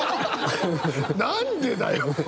何でだよ！